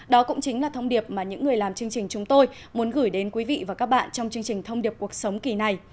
đó cũng chính là thông điệp mà những người làm chương trình chúng tôi muốn gửi đến quý vị và các bạn trong chương trình thông điệp cuộc sống kỳ này